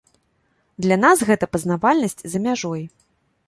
Для нас гэта пазнавальнасць за мяжой.